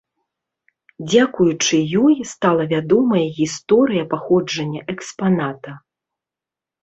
Дзякуючы ёй, стала вядомая гісторыя паходжання экспаната.